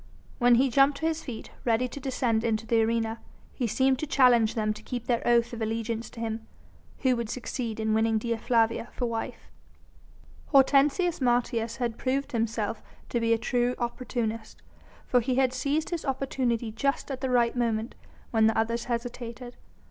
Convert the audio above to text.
When he jumped to his feet, ready to descend into the arena, he seemed to challenge them to keep their oath of allegiance to him, who would succeed in winning Dea Flavia for wife. Hortensius Martius had proved himself to be a true opportunist, for he had seized his opportunity just at the right moment when the others hesitated.